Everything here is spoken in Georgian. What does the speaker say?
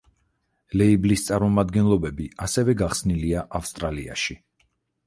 ლეიბლის წარმომადგენლობები ასევე გახსნილია ავსტრალიაში.